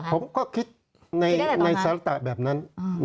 ผมก็คิดในซักยาฆาติแบบนั้น